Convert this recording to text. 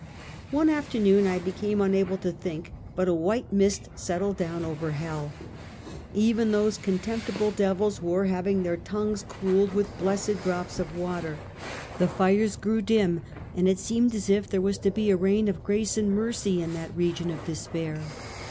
One afternoon I became unable to think, but a white mist settled down over hell. Even those contemptible devils were having their tongues cooled with blessed drops of water. The fires grew dim, and it seemed as if there was to be a rain of grace and mercy in that region of despair.